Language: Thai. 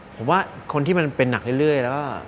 ผมว่าคนที่มันเป็นหนักเรื่อยแล้วก็